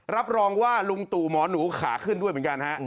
รับรองว่าลุงตู่หมอหนูขาขึ้นด้วยเหมือนกันฮะ